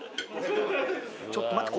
ちょっと待って。